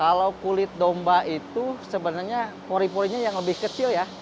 kalau kulit domba itu sebenarnya pori porinya yang lebih kecil ya